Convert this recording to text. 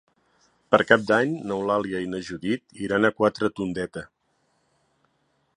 Per Cap d'Any n'Eulàlia i na Judit iran a Quatretondeta.